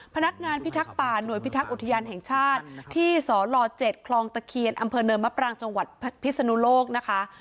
พนักงานพิทักษ์ป่าหน่วยพิทักษ์อุทยานแห่งชาติที่สล๗คลองตะเคียนอำเภอเนินมะปรางจังหวัดพิศนุโลกนะคะ